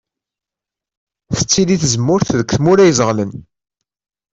Tettili tzemmurt deg tmura izeɣlen.